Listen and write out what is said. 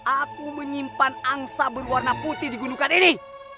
aku menyimpan angsa berwarna putih di gunungan ini